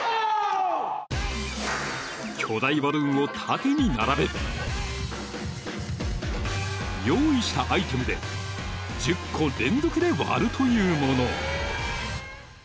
［巨大バルーンを縦に並べ用意したアイテムで１０個連続で割るというもの］